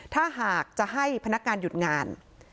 ถ้าหากจะให้พนักงานหยุดงาน